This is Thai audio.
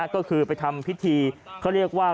ก็คือไปทำพิธีเขาเรียกว่า